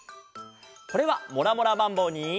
これは「モラモラマンボウ」に。